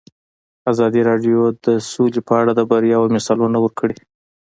ازادي راډیو د سوله په اړه د بریاوو مثالونه ورکړي.